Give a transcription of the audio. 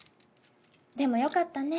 でもよかったね。